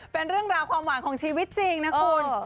เป็นเรื่องราวความหวานของชีวิตจริงนะคุณ